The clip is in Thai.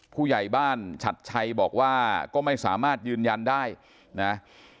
ผู้ใหญ่บ้านฉัดชัยบอกว่าก็ไม่สามารถยืนยันได้นะ